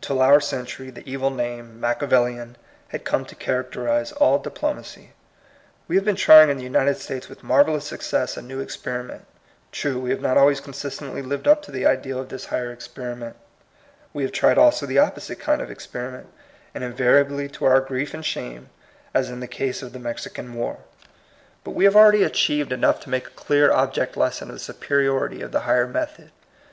Till our century, the evil name. Machiavellian, had come to characterize all diplomacy. We have been trying in the United States with marvellous success a new experiment. True, we have not always consistently lived up to the ideal of this higher experiment. We have tried also the opposite kind of experiment, and invariably to our grief and shame, as in the case of the Mexi can War. But we have already achieved 24 TUB COMING PEOPLE. enough to make a clear object lesson of the superiority of the higher method.